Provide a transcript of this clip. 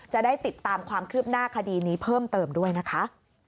จะได้ติดตามความคืบหน้าคดีนี้เพิ่มเติมด้วยนะคะ